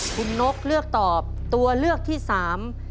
คุณนกเลือกตอบตัวเลือกที่สาม